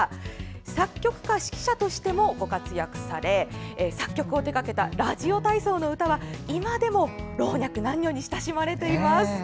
作曲家・指揮者としてもご活躍され作曲を手掛けた「ラジオ体操の歌」は今でも老若男女に親しまれています。